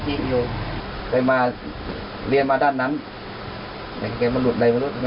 สัตว์ก้องมันธรรมดาเหมือนมันหลุดแต่ก่อนสัตว์ก็ชัด